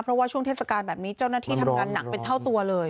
เพราะว่าช่วงเทศกาลแบบนี้เจ้าหน้าที่ทำงานหนักเป็นเท่าตัวเลย